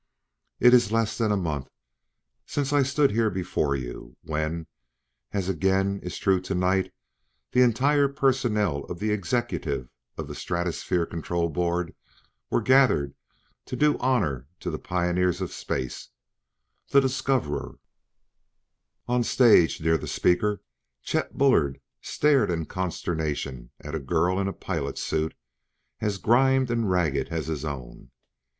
"It is less than a month since I stood here before you, when, as again is true to night, the entire personnel of the executives of the Stratosphere Control Board was gathered to do honor to the pioneers of space the discoverer " On the stage near the speaker, Chet Bullard stared in consternation at a girl in a pilot's suit as grimed and ragged as his own.